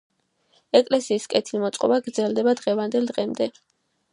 ეკლესიის კეთილმოწყობა გრძელდება დღევანდელ დღემდე.